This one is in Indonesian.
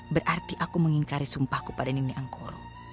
berarti aku mengingkari sumpahku pada nini angkoro